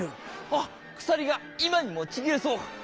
あっ鎖が今にもちぎれそう。